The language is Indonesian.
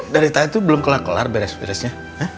dari tadi tuh belum kelar kelar beres beresnya